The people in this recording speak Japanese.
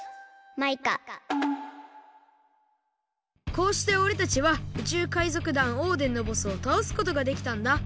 こうしておれたちは宇宙海賊団オーデンのボスをたおすことができたんだ。